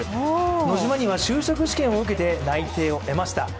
ノジマには就職試験を受けて内定を得ました。